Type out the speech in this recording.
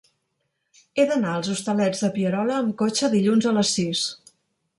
He d'anar als Hostalets de Pierola amb cotxe dilluns a les sis.